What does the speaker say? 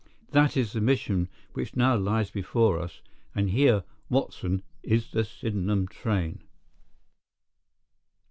That is the mission which now lies before us, and here, Watson, is the Sydenham train."